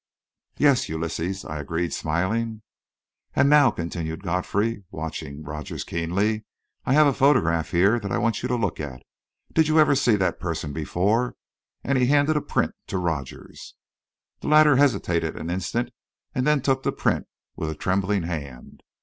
"Yes, Ulysses," I agreed, smiling. "And now," continued Godfrey, watching Rogers keenly, "I have a photograph here that I want you to look at. Did you ever see that person before?" and he handed a print to Rogers. The latter hesitated an instant, and then took the print with a trembling hand.